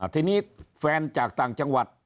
ทีนี้แฟนจากต่างจังหวัด